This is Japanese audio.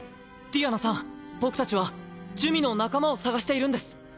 ディアナさん僕たちは珠魅の仲間を捜しているんです。